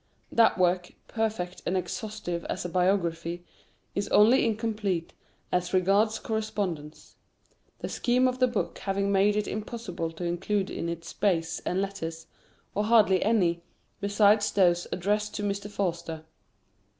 That work, perfect and exhaustive as a biography, is only incomplete as regards correspondence; the scheme of the book having made it impossible to include in its space any letters, or hardly any, besides those addressed to Mr. Forster.